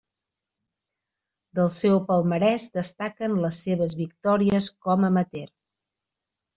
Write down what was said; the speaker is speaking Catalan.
Del seu palmarès destaquen les seves victòries com amateur.